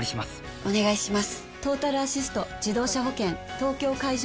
お願いしまーす。